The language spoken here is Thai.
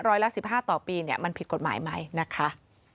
ร้อยละ๑๕ต่อปีเนี่ยมันผิดกฎหมายไหมนะคะ